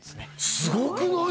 すごくない！？